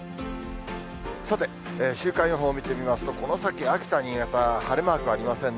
さて、週間予報を見てみますと、この先、秋田、新潟、晴れマークありませんね。